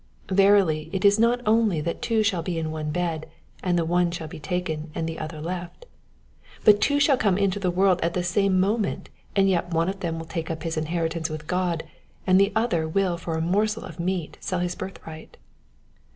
Verily, it is not only that two shall be in one bed, and the one shall be taken, and the other left ; but, two shall come into the world at the same mo ment, and yet one of them will take up his inher itance with God, and the other will for a morsel of meat sell his birthright.